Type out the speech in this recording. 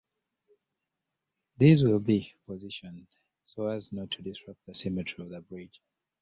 These will be positioned so as not to disrupt the symmetry of the bridge.